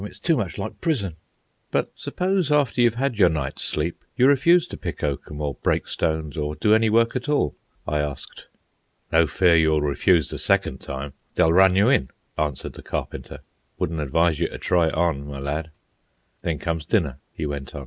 It's too much like prison." "But suppose, after you've had your night's sleep, you refuse to pick oakum, or break stones, or do any work at all?" I asked. "No fear you'll refuse the second time; they'll run you in," answered the Carpenter. "Wouldn't advise you to try it on, my lad." "Then comes dinner," he went on.